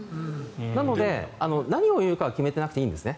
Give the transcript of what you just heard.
なので何を言うかは決めてなくていいんです。